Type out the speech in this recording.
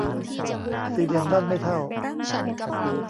สี่เหลี่ยมด้านไม่เท่า